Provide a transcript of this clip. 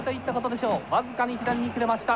僅かに左に切れました。